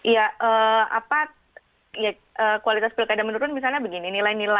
ya kualitas pilkada menurun misalnya begini